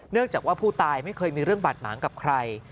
จากว่าผู้ตายไม่เคยมีเรื่องบาดหมางกับใคร